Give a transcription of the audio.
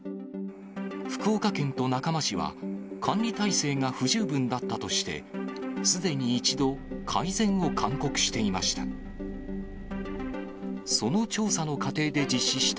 福岡県と中間市は管理体制が不十分だったとして、すでに１度、改善を勧告していました。